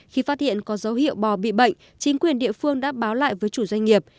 khi phát hiện có dấu hiệu bò bị bệnh chính quyền địa phương đã báo lại với chủ doanh nghiệp